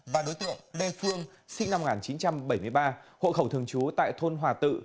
và đối tượng lê phương sinh năm một nghìn chín trăm bảy mươi ba hộ khẩu thường trú tại thôn hòa tự